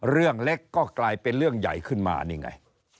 เรื่องเล็กก็กลายเป็นเรื่องใหญ่ขึ้นมานี่ไง